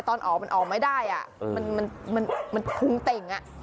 ตอนออกมันออกไม่ได้มันพุงเต่ง